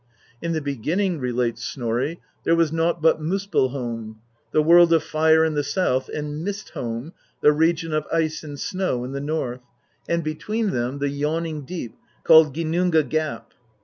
In the beginning, relates Snorri, there was nought but Muspell home, the world of fire in the south, and Mist home, the region of ice and snow, in the north, and between them the yawning Deep called Gin nunga Gap.